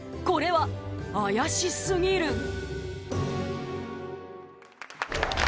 これは怪しすぎる。